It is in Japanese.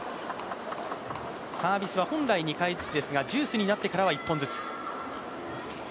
サービスは本来２回ずつですがジュースになって１回ずつ。